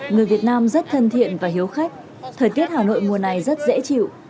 người việt nam rất thân thiện và hiếu khách thời tiết hà nội mùa này rất dễ chịu